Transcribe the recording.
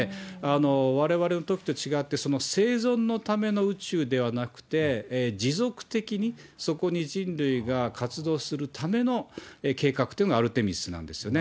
われわれのときと違って、生存のための宇宙ではなくて、持続的にそこに人類が活動するための計画というのがアルテミスなんですね。